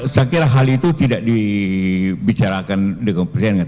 saya kira hal itu tidak dibicarakan dengan presiden